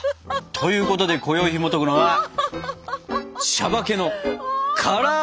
というわけでこよいひもとくのは「しゃばけの辛あられ」。